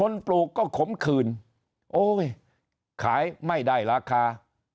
ปลูกก็ขมขืนโอ้ยขายไม่ได้ราคา